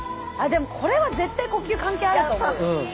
でもこれは絶対呼吸関係あると思うよ。